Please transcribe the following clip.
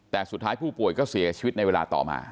แต่สุดท้ายผู้ป่วยก็เสียชีวิตในเวลาต่อมา